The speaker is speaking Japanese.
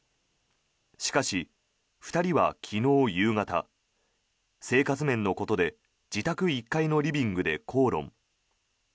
しかし、２人は昨日夕方生活面のことで自宅１階のリビングで口論。